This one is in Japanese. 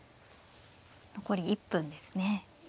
残り１分ですね。